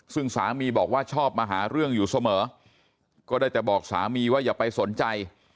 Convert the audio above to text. ซึ่งสามีบอกว่าชอบมาหาเรื่องอยู่เสมอก็ได้แต่บอกสามีว่าอย่าไปสนใจ